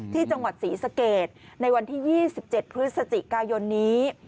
ที่จังหวัดศรีสะเกดในวันที่๒๗พฤศจิกายนนี้